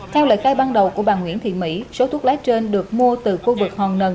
theo lời khai ban đầu của bà nguyễn thị mỹ số thuốc lá trên được mua từ khu vực hòn